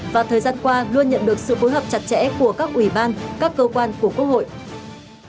và thời gian qua luôn nhận được sự phối hợp chặt chẽ của các ủy ban các cơ quan của quốc hội